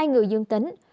hai người dương tính